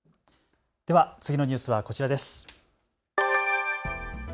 では次のニュースはこちらです。